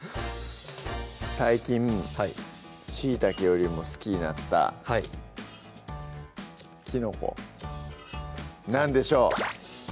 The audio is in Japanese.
最近しいたけよりも好きになったはいきのこ何でしょう？